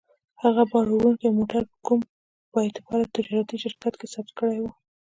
هغه باروړونکی موټر په کوم با اعتباره تجارتي شرکت کې ثبت کړی و.